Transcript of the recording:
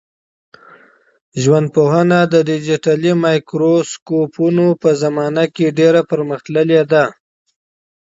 ژوندپوهنه د ډیجیټلي مایکروسکوپونو په زمانه کي ډېره پرمختللې ده.